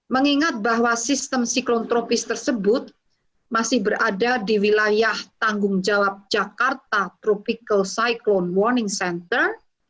mengingat bahwa sistem siklon tropis tersebut masih berada di wilayah tanggung jawab jakarta tropical cyclone warning center